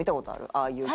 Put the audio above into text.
ああいう系の。